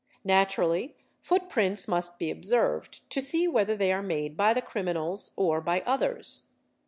Naturally foot prints must be observed to see whether hey are made by the criminals or by others.